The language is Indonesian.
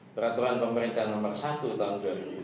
peraturan pemerintahan nomor satu tahun dua ribu tujuh belas